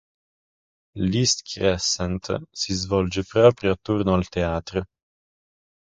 L"'East Crescent" si svolge proprio attorno al teatro.